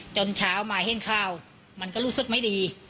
จนเช้ามาเห็นข้าวมันก็รู้สึกไม่ดี